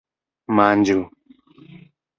manĝu